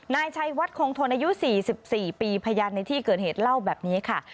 นายชัยวัดคงทนอายุ๔๔ปีพยานในที่เกิดเหตุเล่าแบบนี้ค่ะ